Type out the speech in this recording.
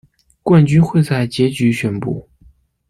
冠军会在结局宣布。